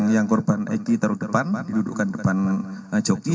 yang korban egy taruh depan didudukkan depan joki